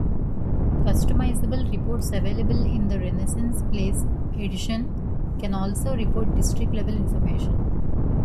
Customizable reports available in the Renaissance Place edition can also report district-level information.